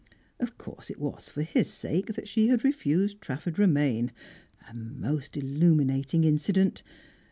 Of course it was for his sake that she had refused Trafford Romaine a most illuminating incident.